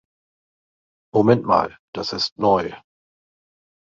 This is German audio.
Moment mal, das ist neu.